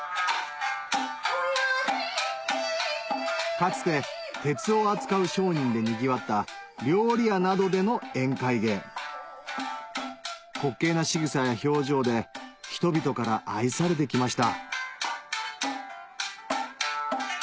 かつて鉄を扱う商人でにぎわった料理屋などでの宴会芸滑稽なしぐさや表情で人々から愛されて来ました